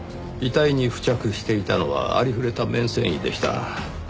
遺体に付着していたのはありふれた綿繊維でした。